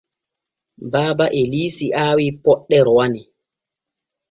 Baaba Eliisi aawi poƴƴe rowani.